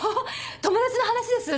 友達の話です